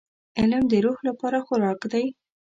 • علم د روح لپاره خوراک دی.